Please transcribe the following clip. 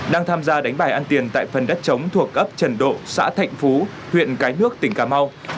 đang tham gia đánh bài ăn tiền tại phần đất chống thuộc ấp trần độ xã thạnh phú huyện cái nước tỉnh cà mau